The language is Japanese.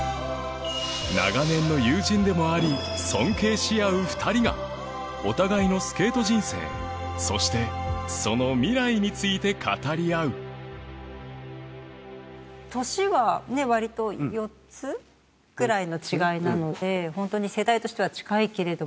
長年の友人でもあり尊敬し合う２人がお互いのスケート人生そしてその未来について語り合う年はね割と４つぐらいの違いなので本当に世代としては近いけれども。